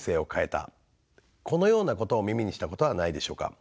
このようなことを耳にしたことはないでしょうか。